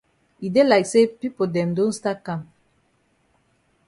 E dey like say pipo dem don stat kam.